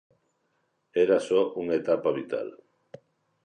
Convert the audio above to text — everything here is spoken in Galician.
Era só unha etapa vital.